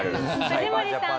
藤森さん